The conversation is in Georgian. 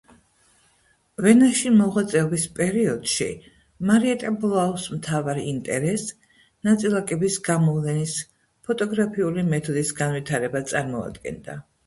ვენაში მოღვაწეობის პერიოდში, მარიეტა ბლაუს მთავარ ინტერესს, ნაწილაკების გამოვლენის ფოტოგრაფიული მეთოდის განვითარება წარმოადგენდა.